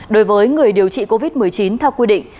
đối với người điều trị covid một mươi chín theo quy định